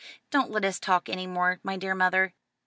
Don't let us talk any more, my dear mother.